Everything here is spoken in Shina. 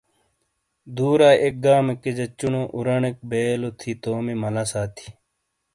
دُورائیی ایک گامیکے جہ چُونو اورانیک بیے لو تھی تومی مالہ ساتی ۔